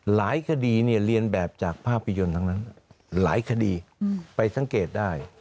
หลายคดีเนี่ยเรียนแบบจากภาพยนตร์ทั้งนั้นหลายคดีไปสังเกตได้